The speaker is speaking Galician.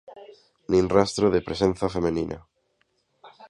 Nin rastro de presenza feminina.